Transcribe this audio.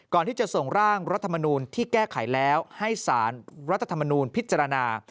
ก่อนที่จะส่งร่างรัฐมนูลที่แก้ไขแล้วให้สารรัฐธรรมนูลพิจารณา